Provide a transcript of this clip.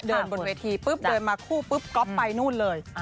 เดินบนเวทีเดินมาคู่ก๊อปไปนู่นเลย